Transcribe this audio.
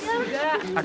itu juga ya